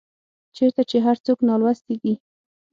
چيرته چي هر څوک نالوستي دي